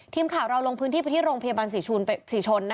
ทีมข่าวเราลงพื้นที่ไปที่โรงพยาบาลศรีชน